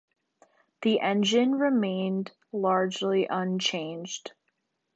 The engine remained largely unchanged.